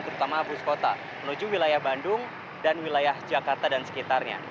terutama bus kota menuju wilayah bandung dan wilayah jakarta dan sekitarnya